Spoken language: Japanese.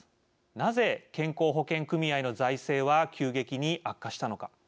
なぜ健康保険組合の財政は急激に悪化したのか。